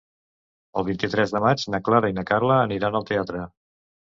El vint-i-tres de maig na Clara i na Carla aniran al teatre.